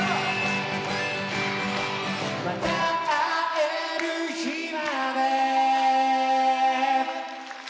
「またあえる日まで」